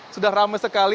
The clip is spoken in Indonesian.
sudah ramai sekali